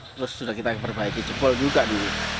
terus sudah kita perbaiki jebol juga dulu